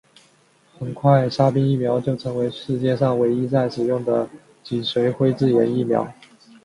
很快沙宾疫苗就变成世界上唯一在使用的脊髓灰质炎疫苗。